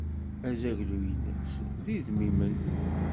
Azaglu-ines d idmimen.